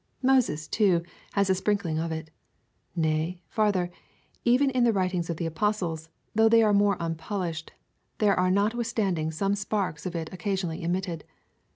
Moses, too, has a sprinkling of it. Nay farther, even in the writings of the Apostles, though they are. more unpolished, there are notwithstanding some sparks of it occasionally emitted.